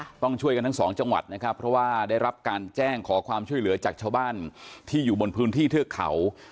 ต้องช่วยกันทั้งสองจังหวัดนะครับเพราะว่าได้รับการแจ้งขอความช่วยเหลือจากชาวบ้านที่อยู่บนพื้นที่เทือกเขา